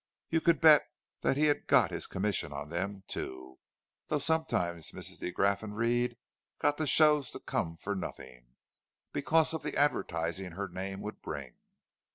You could bet that he had got his commission on them, too—though sometimes Mrs. de Graffenried got the shows to come for nothing, because of the advertising her name would bring.